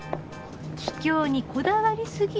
桔梗にこだわりすぎ。